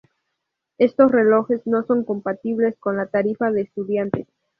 Estos relojes no son compatibles con la tarifa de estudiantes.